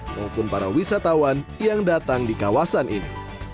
maupun para wisatawan yang datang di kawasan ini